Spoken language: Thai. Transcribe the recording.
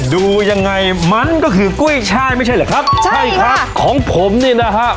ดูยังไงมันก็คือกุ้ยช่ายไม่ใช่เหรอครับใช่ครับของผมเนี่ยนะฮะ